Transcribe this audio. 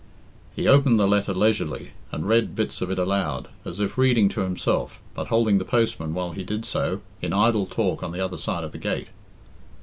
He opened the letter leisurely, and read bits of it aloud, as if reading to himself, but holding the postman while he did so in idle talk on the other side of the gate.